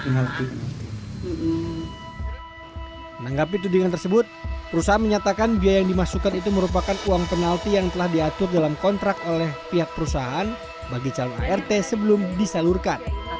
menanggapi tudingan tersebut perusahaan menyatakan biaya yang dimasukkan itu merupakan uang penalti yang telah diatur dalam kontrak oleh pihak perusahaan bagi calon art sebelum disalurkan